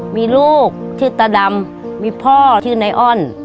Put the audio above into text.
มีลูกชื่อตาดำมีพ่อชื่อนายอ้อน